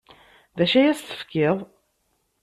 D acu ay as-tefkiḍ?